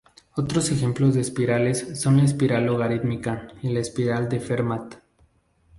Otros ejemplos de espirales son la espiral logarítmica y la espiral de Fermat.